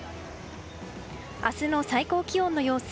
明日の最高気温の様子。